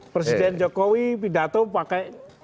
presiden jokowi pidato pakai